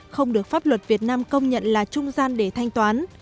không được pháp luật việt nam công nhận là trung gian để thanh toán